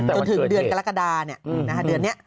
เติมถึงเดือนกรกฎาเนี่ยเดือนนี้